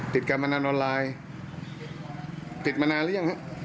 การพนันออนไลน์ติดมานานหรือยังฮะ